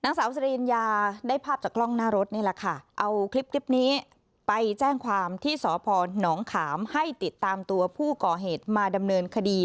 สาวสิริญญาได้ภาพจากกล้องหน้ารถนี่แหละค่ะเอาคลิปนี้ไปแจ้งความที่สพนขามให้ติดตามตัวผู้ก่อเหตุมาดำเนินคดี